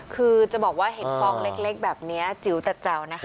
คือจะบอกว่าเห็นฟองเล็กแบบนี้จิ๋วแต่แจ๋วนะคะ